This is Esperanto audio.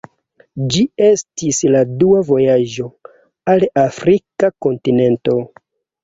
Ĝi estis la dua vojaĝo al Afrika kontinento.